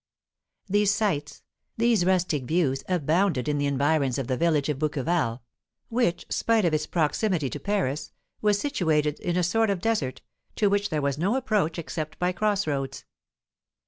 These sights, these rustic views abounded in the environs of the village of Bouqueval, which, spite of its proximity to Paris, was situated in a sort of desert, to which there was no approach except by cross roads.